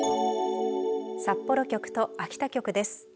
札幌局と秋田局です。